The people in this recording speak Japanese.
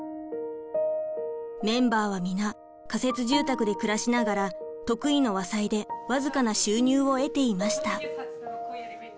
メンバーは皆仮設住宅で暮らしながら得意の和裁で僅かな収入を得ていました。